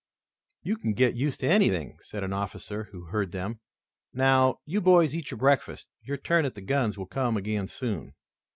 "You can get used to anything," said an officer who heard them. "Now, you boys eat your breakfasts. Your turn at the guns will come again soon."